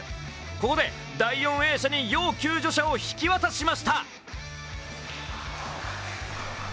ここで第４泳者に要救助者を引き渡しました。